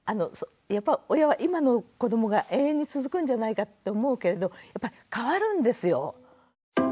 親は今の子どもが永遠に続くんじゃないかって思うけれどやっぱり変わるんですよ。